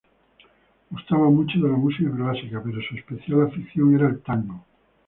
Gustaba mucho de la música clásica, pero su especial afición era el Tango.